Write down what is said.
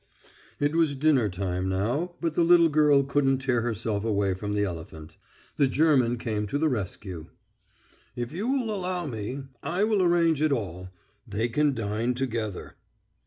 It was dinner time now, but the little girl couldn't tear herself away from the elephant. The German came to the rescue. "If you allow me, I will arrange it all. They can dine together."